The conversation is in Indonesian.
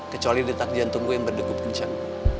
kecuali detak jantung gue yang berdegup kencang